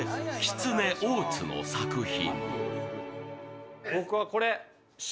続いて、きつね大津の作品。